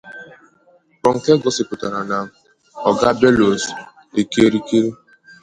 Ronke gosiputara na Oga Bello ‘s Kerikeri.